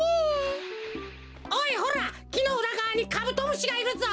おいほらきのうらがわにカブトムシがいるぞ！